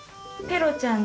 ペロちゃん。